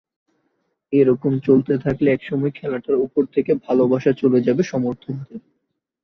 এ রকম চলতে থাকলে একসময় খেলাটার ওপর থেকে ভালোবাসা চলে যাবে সমর্থকদের।